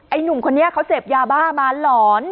หนุ่มคนนี้เขาเสพยาบ้ามาหลอน